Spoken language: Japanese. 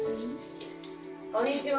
こんにちは！